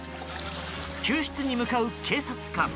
救出に向かう警察官。